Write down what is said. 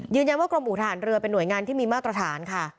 ว่ากรมอุทหารเรือเป็นห่วยงานที่มีมาตรฐานค่ะ